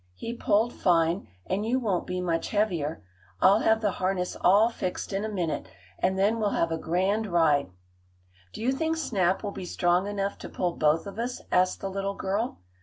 He pulled fine, and you won't be much heavier. I'll have the harness all fixed in a minute, and then we'll have a grand ride." "Do you think Snap will be strong enough to pull both of us?" asked the little girl.